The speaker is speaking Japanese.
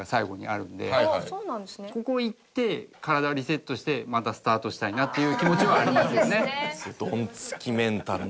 ここ行って体をリセットしてまたスタートしたいなっていう気持ちはありますよね。